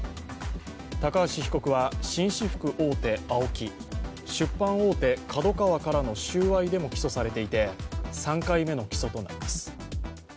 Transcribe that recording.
高橋被告は紳士服大手・ＡＯＫＩ、出版大手・ＫＡＤＯＫＡＷＡからの収賄でも起訴されていて３回目の起訴となります。